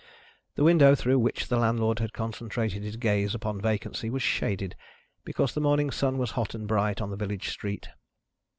The window through which the landlord had concentrated his gaze upon vacancy was shaded, because the morning sun was hot and bright on the village street.